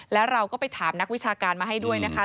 แล้วเราก็ไปถามนักวิชาการมาให้ด้วยนะคะ